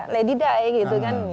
lady dai gitu kan